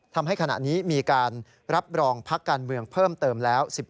ทำให้ขณะนี้มีการรับรองพักการเมืองเพิ่มเติมแล้ว